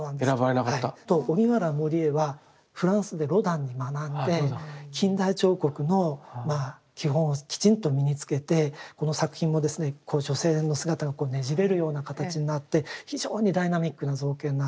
荻原守衛はフランスでロダンに学んで近代彫刻のまあ基本をきちんと身につけてこの作品もですねこう女性の姿がねじれるような形になって非常にダイナミックな造形になっている。